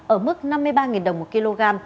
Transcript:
ở mức năm mươi ba đồng một kg